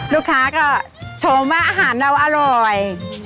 ลูกค้าก็ชมว่าอาหารเราอร่อย